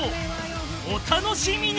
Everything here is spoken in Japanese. お楽しみに！